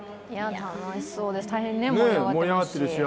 楽しそうです、大変盛り上がっていますし。